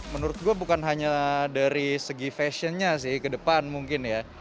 menurut gue bukan hanya dari segi fashionnya sih ke depan mungkin ya